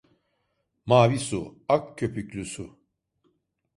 Mavi su, ak köpüklü su!